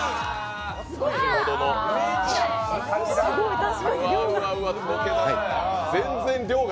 すごい、確かに量が。